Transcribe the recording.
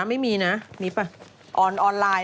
ไม่มีนะ